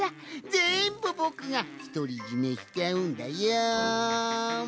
ぜんぶぼくがひとりじめしちゃうんだよん。